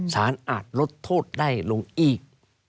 อาจลดโทษได้ลงอีก